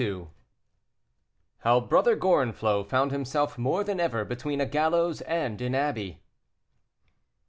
HOW BROTHER GORENFLOT FOUND HIMSELF MORE THAN EVER BETWEEN A GALLOWS AND AN ABBEY.